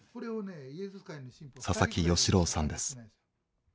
佐々木芳郎さんです。